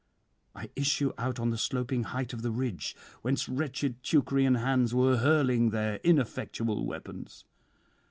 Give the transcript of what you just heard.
I issue out on the sloping height of the ridge, whence wretched Teucrian hands were hurling their ineffectual weapons.